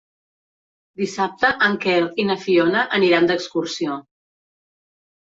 Dissabte en Quer i na Fiona aniran d'excursió.